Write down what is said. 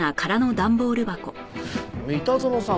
三田園さん